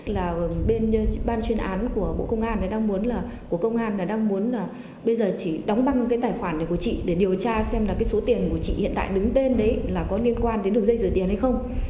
là bên ban chuyên án của bộ công an đang muốn là bây giờ chỉ đóng băng cái tài khoản này của chị để điều tra xem là cái số tiền của chị hiện tại đứng tên đấy là có liên quan đến đường dây rửa tiền hay không